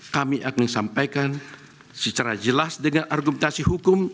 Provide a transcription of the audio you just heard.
kami akan sampaikan secara jelas dengan argumentasi hukum